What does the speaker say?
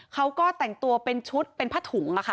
เขาก็แต่งตัวเป็นชุดเป็นผ้าถุง